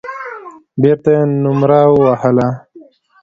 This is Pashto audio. بېرته يې نومره ووهله.